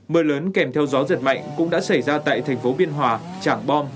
mưa lớn kèm theo gió giật mạnh cũng đã xảy ra tại tp biên hòa trảng bom